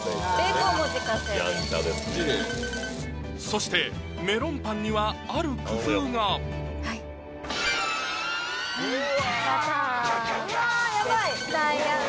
そしてメロンパンにはある工夫がバター！